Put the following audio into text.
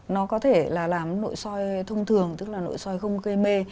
nó có thể là làm nội soi thông thường tức là nội soi không gây mê